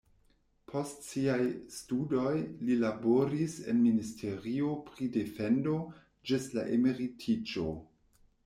Post siaj studoj li laboris en ministerio pri defendo ĝis la emeritiĝo.